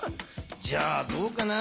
じゃあどうかな？